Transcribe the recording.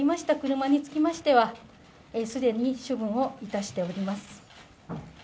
車につきましては既に処分をいたしております。